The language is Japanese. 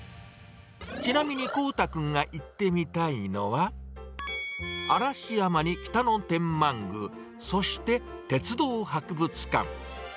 ちなみに航大君が行ってみたいのは、嵐山に北野天満宮、そして鉄道博物館。